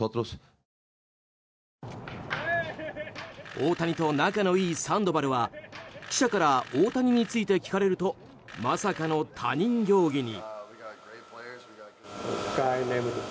大谷と仲のいいサンドバルは記者から大谷について聞かれるとまさかの他人行儀に。